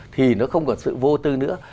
thì nó không còn sự vô tư nữa